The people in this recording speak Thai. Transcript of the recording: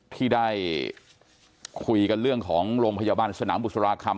ที่ได้คุยกันเรื่องของโรงพยาบาลสนามบุษราคำ